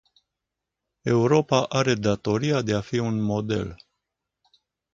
Europa are datoria de a fi un model.